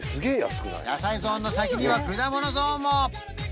野菜ゾーンの先には果物ゾーンも！